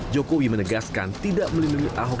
jokowi menegaskan tidak melindungi ahok